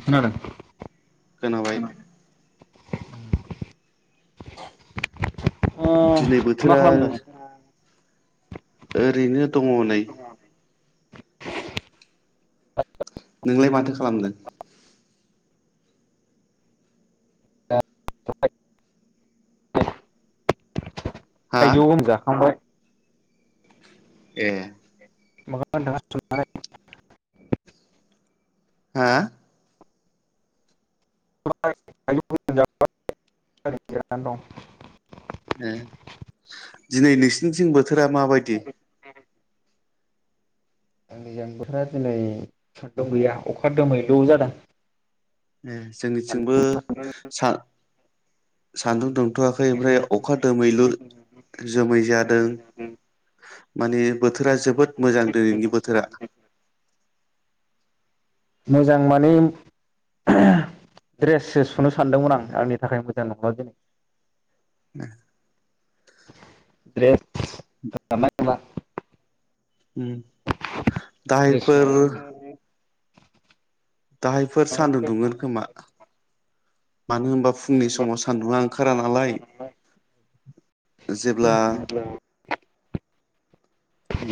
खोनादों खोनाबाय ओ दिनै मा बोथोरा खालामदों ओरैनो दङ नै [unintelligible] नोंलाय माथो खालामदों [unintelligible] हा थाइजौ आं जाखांबाय ए [unintelligible] हा [unintelligible] ए दिनै नोंसि थिं बोथोरा माबायदि आंनिजों बोथोरा दिनै सानदुं गैया अखा दोमैलु जादों ए जोंनिथिंबो सा सान्दुं दुंथवाखै ओमफ्राय अखा दोमैलु जोमै जादों माने बोथोरा जोबोद मोजां दिनैनि बोथोरा मोजां माने ड्रेससो सुनो सानदोंमोन आं आंनि थाखाय मोजां नंला दिनै ए द्रेस राननाय नंला उम दाहायफोर दाहायफोर सान्दुं दुंगोन खोमा मानो होनबा फुंनि समाव सान्दुंआ ओंखारा नालाय जेब्ला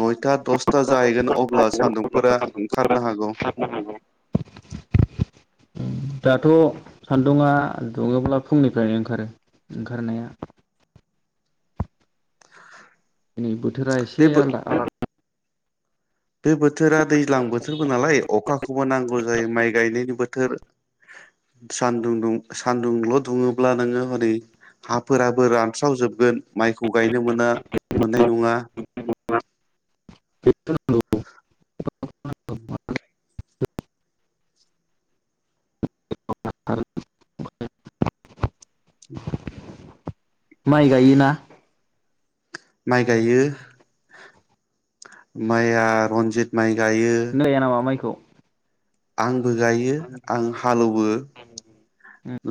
नयथा दसथा जाहैगोन अब्ला सान्दुंफोरा ओंखारनो हागौ दाथ' सान्दुङा दुङोब्ला फुंनिफ्रायनो ओंखारो ओंखारनाया दिनै बोथोरा बे एसे बो आलादा आलादा बे बोथोरा दैज्लां बोथोरबो नालाय अखाखौबो नांगौ गौ जायो माइ गायनायनि बोथोर सानदुं दुं सानदुंल दुङोब्ला नोङो हनै हाफोराबो रानस्रावजोबगोन माइखौ गायनो मोना मोननाय नङा [unintelligible] [inaudible] आरो [inaudible] माइ गायोना माइ गायो माइया रनजित माइ नों गाइया नामा माइखौ आं बो गायो आं हालौवो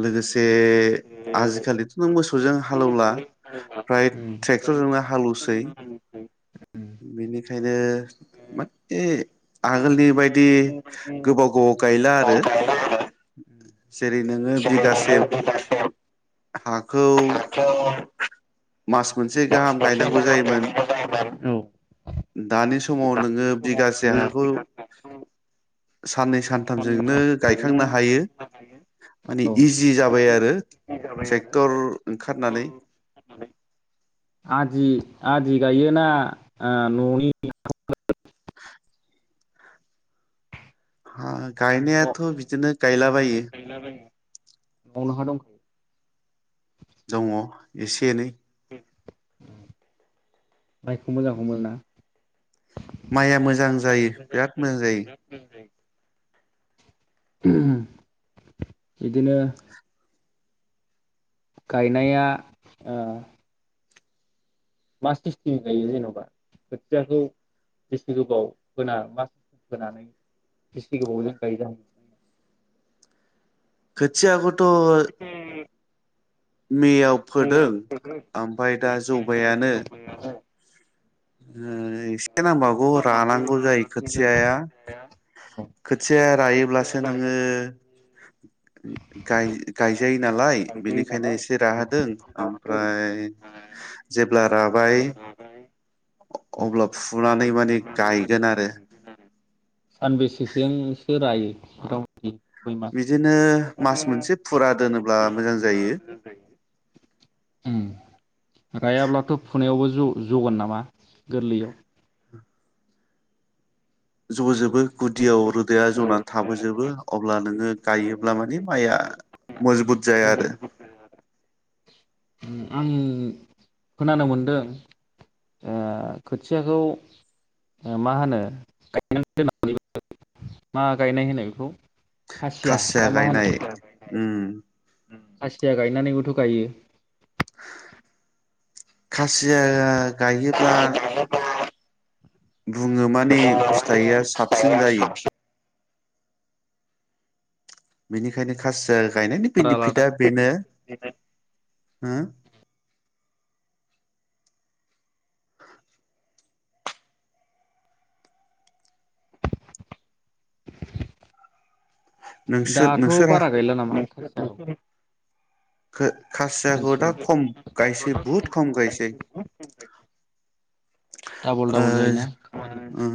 लोगोसे आजिखालिथ' नों मोसौजों हालौवला फ्राय ट्रेक्टरजोंनो हालौवसै बेनिखायनो माने आं आगोलनि बायदि गोबाव गोबाव गायला आरो जेरै नोङो बिगासे [unintelligible] [unintelligible] मास मोनसे मास गाहाम मोनसे गायनांगौ गाहाम जायोमोन गायनांगौ जायोमोन औ दानि समाव नोङो बिगासे हाखौ साननै सानथामजोंनो गायखांनो हायो माने औ इजि जाबाय आरो ट्रेक्टर ओंखारनानै आदि आदि गायोना ओ न'नि हा गायनायाथ' बिदिनो गायलाबायो न'आवनो हा दंखायो दङ एसे एनै मोजां हमो ना माइया मोजां जायो बिराद मोजां जायो बिदिनो गायनाया ओ मा सिस्टेम गायो जेन'बा खोथियाखौ बेसे गोबाव फोना मा सिस्टेम फोनानै बिसि गोबावजों गायो जाह खोथियाखौथ' मेआव फोदों आमफाय दा जौबायानो ओ एसे नांबावगौ रानांगौ जायो खोथियाया खोथियाया रायोब्लासो नोङो गाय गायजायो नालाय बेनिखायनो एसे राहोदों आमफ्राय जेब्ला राबाय [inaudible] अब्ला फुनानै मानि गायगोन आरो सानबेसेसोजोंसो रायो मथा मथि खय मास बिदिनो मास मोनसे फुरा दोनोब्ला मोजां जायो। रायाब्लाथ' फुनायावबो ज' जगोन नामा गोरलैयाव जबोजोबो गुदियाव रोदाया जनानै थाबोजोबो अब्ला नोङो गायोब्ला माने माइया मजबुत जाया आरो। उम आं खोनानो मोनदों आ खोथियाखौ ओ मा होनो [unintelligible] मा गायनाय होनो बेखौ खासिया गायनाय उम उम खासिया गायनानैबोथ' गायो। [inaudible] खासिया गायोब्ला बुङो माने फिथाइया साबसिन जायो। बेनिखायनो खासिया गायनायनि आलादा आलादा बेनिफिटआ बेनो हा? नोंसोर दाथ' नोंसोरहा बारा गैला नामा? औ खौ खासियाखौ दा खम गायसै बुहुद खम गायसै। डाबल आ डाबल जायोना ओ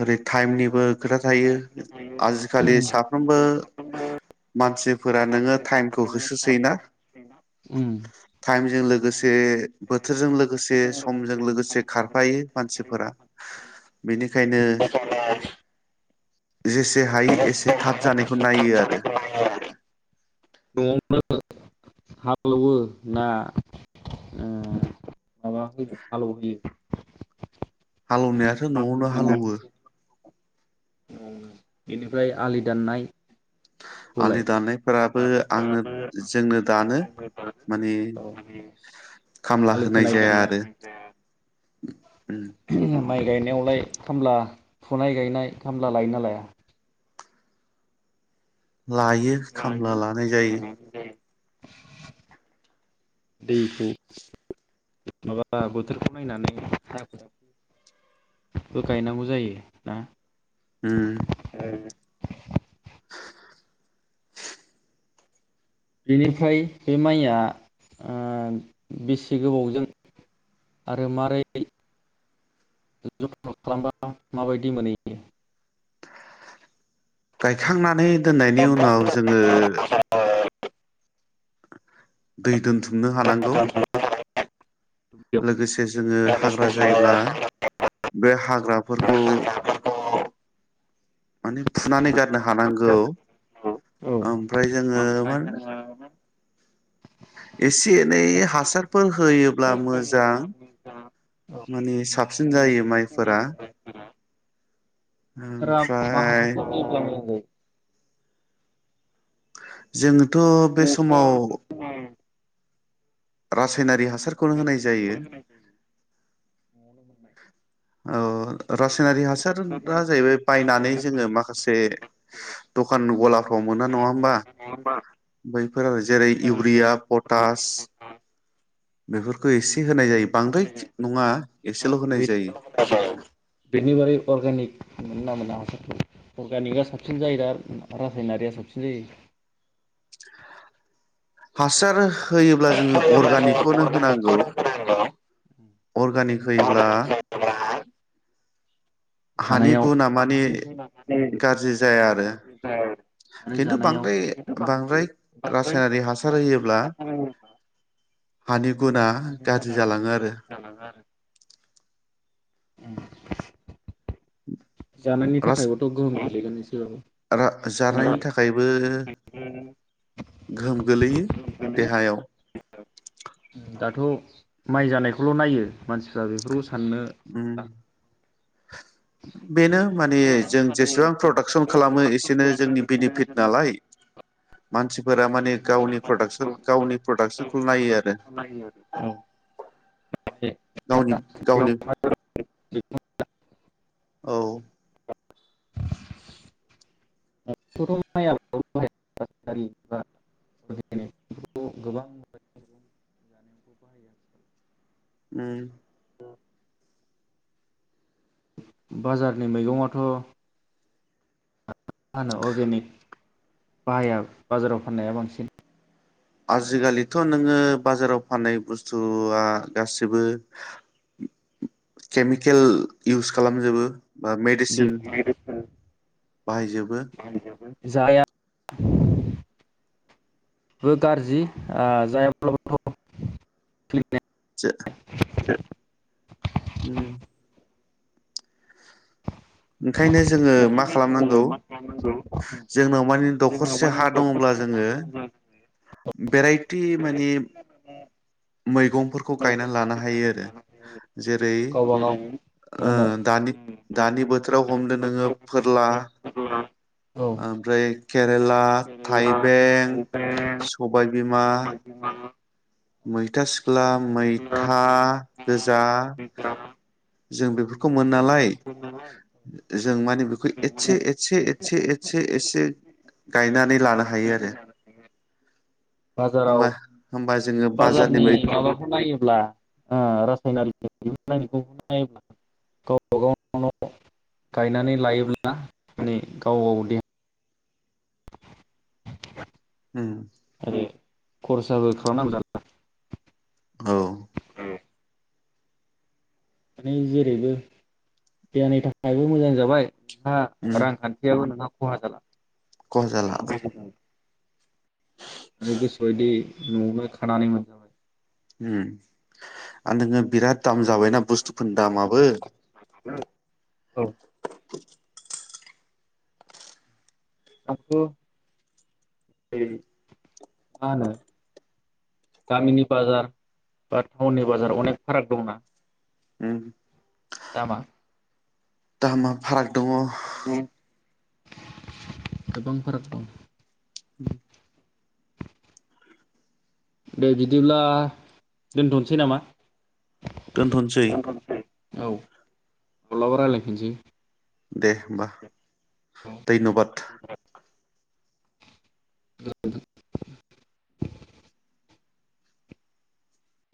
ओरै थाइमनिबो खोथा थायो आजिखालि साफ्रोमबो मानसिफोरा नोङो थाइमखौ होसौसोयो ना? उम थाइमजों लोगोसे बोथोरजों लोगोसे समजों लोगोसे से खारफायो मानसिफोरा बेनिखायनो जेसे हायो एसे थाब जानायखौ नायो आरो हालवो ना ओ माबा होयो हालौहोयो हालएवनायाथ' न'आवनो हालौवो ओमफ्राय आलि दाननाय आलि दानायफोरा बो आंनो जोंनो दानो माने खामला आलि होनाय खोनाय जाया आरो [inaudible] उम माइ गायनायावलाय खामला फुनाय गायनाय खामला लायो ना लाया? लायो खामला लानाय जायो। दैखौ माबा बोथोरखौ नायनानै हाफोराबो गायनांगौ जायो ना? उ बेनिफ्राय बे माइया ओ बेसे गोबावजों आरो माबोरै जथन' खालामबा माबायदि मोनहैयो गायखांनानै दोननायनि उनाव जोङो। [inaudible] दै दोनथुम हुंनो हानांगौ लोगोसे जोङो हाग्रा जायोब्ला बे हाग्राफोरखौ माने फुनानै गारनो हानांगौ औ ओमफ्राय जोङो माने ए से एनै हासारफोर होयोब्ला मोजां। मानि साबसिन जायो माइफोरा ओमफ्राय [unintelligible] जोङोथ' बे समाव रासायनारि हासारखौनो होनाय जायो। औ रासायनारि हासारा जाहैबाय बायनानै जोङो माखासे दखान गलाफ्राव मोना नङा होमबा बैफोर आरो जेरै इउरिया पटास बेफोरखौ एसे होनाय जायो बांद्राय नङा एसेल' होनाय बे जायो। बेनि बारै अर्गेनिक मोनगोन ना मोना हासारखौ अर्गेनिकआ साबसिन जायो दा रासायनारिया साबसिन जायो। हासार होयोब्ला जोङो अर्गानिकखौनो होनांगौ। अर्गानिक होयोब्ला हानि जानायाव गुना मानि गारजि जाया आरो। आरो खिन्थु जानायाव बांद्राय बांद्राय रासायनारि हासार होयो। ब्ला हानि गुना गाज्रि जालाङो आरो। जानायनि रास थाखायबोथ' गोहोमा [unintelligible] रा जानायनि थाखायबो गोहोम गोलैयो देहायाव दाथ' माइ जानायखौल' नायो मानसिफ्रा बेफोरखौ साननो उम बा बेनो माने जों जेसेबां प्रडाक्सन खालामो एसेनो जोंनि बेनिफिट नालाय मानसिफोरा माने गावनि प्रडाक्सन गावनि प्रडाक्सनखौल' नायो आरो। गावनि गावनि बेखौथ' औ माइ आबादाव बाहायारि बा अर्गेनिक बेफोरखौ गोबां जानायावबो बाहायो आथिखालाव। उम बाजारनि मैगङाथ' हानो अर्गेनिक बाहाया बाजाराव फाननाया बांसिन आजिखालिथ' नोङो बाजाराव फाननाय बुस्थुआ गासैबो केमिकेल इउस खालामजोबो बा बे मेडिसिन बाहायजोबो जाया बो गाज्रि ओ जायाब्लाबोथ' जो [unintelligible] उम ओंखायनो जोङो मा खालामनांगौ जोंनाव माने दखरसे हा दङब्ला जोङो भेराइटि माने मैगंफोरखौ गायनानै लानो हायो आरो जेरै गावबा गाव न' न' ओ दानि दानि बोथोराव हमदो नोङो फोरला औ ओमफ्राय केरेला थाइबें सबायबिमा मैथा सिख्ला मैथा गोजा जों बेफोरखौ मोनो नालाय जों माने बेखौ एसे एसे एसे एसे एसे गायनानै लानो हायो आरो बाजाराव होमबा होमबा जोङो बाजारनि मै माबाखौ नायोब्ला ओ रासायनारि [unintelligible] नायोब्ला गावबा गाव न' न' गायनानै लायोब्ला माने गाव गाव देहा [inaudible] उम आरो खरसाबो खालामनांगौजाना औ माने जेरैबो देहानि थाखायबो मोजां जाबाय नोंहा उम रांखान्थियाबो नोंहा खहा जाला खहा जाला आरो गोसोबायदि न'आवनो खानानै मोनजाबाय उम आरो नोङो बिराद दाम जाबायना बुस्थुफोरनि दामाबो [inaudible] आंथ' मा होनो गामिनि बाजार बा टाउननि बाजार अनेक फाराग दंना उम दामा दामा फाराग दङ गोबां फाराग दं। [inaudible] ओ दे बिदिब्ला दोनथ'सै नामा? दोनथ'नोसै। औ माब्लाबा रायज्लायफिनसै। दे होमबा। धयन्बाद।